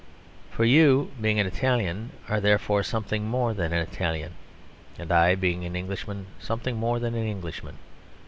For you, being an Italian, are therefore something more than an Italian; and I being an Englishman, something more than an Englishman.